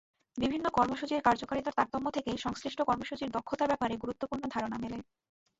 বিভিন্ন কর্মসূচির কার্যকারিতার তারতম্য থেকে সংশ্লিষ্ট কর্মসূচির দক্ষতার ব্যাপারে গুরুত্বপূর্ণ ধারণা মেলে।